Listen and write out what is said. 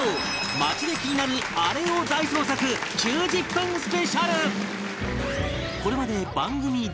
街で気になるアレを大捜索９０分スペシャル！